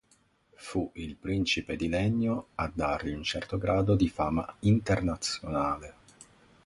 Fu "Il principe di legno" a dargli un certo grado di fama internazionale.